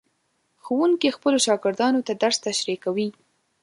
ښوونکي خپلو شاګردانو ته درس تشریح کوي.